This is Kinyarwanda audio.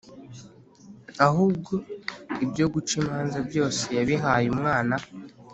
ahubwo ibyo guca imanza byose yabihaye Umwana.